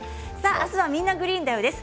明日は「みんな！グリーンだよ」です。